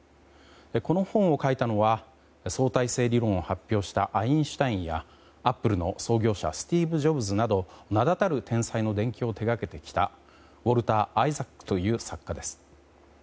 この本を書いたのは相対性理論を発表したアインシュタインやアップルの創業者スティーブ・ジョブズなど名だたる天才の伝記を手掛けてきたウォルター・アイザックソンという作家です。